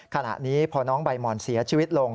ขณะนี้พอน้องใบหมอนเสียชีวิตลง